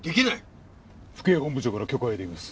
府警本部長から許可を得ています。